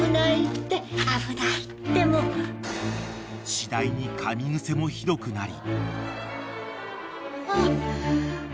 ［次第にかみグセもひどくなり］